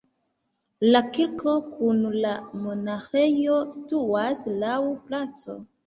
La kirko kun la monaĥejo situas laŭ placo.